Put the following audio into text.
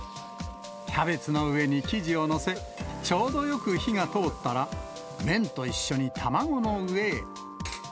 キャベツの上に生地を載せ、ちょうどよく火が通ったら、麺と一緒に卵の上へ。